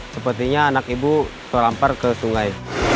sepertinya anak ibu terlampar ke sungai